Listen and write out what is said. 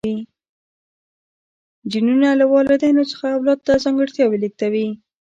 جینونه له والدینو څخه اولاد ته ځانګړتیاوې لیږدوي